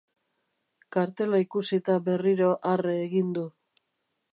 Kartela ikusita berriro arre egin du.